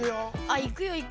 「行くよ行くよ」。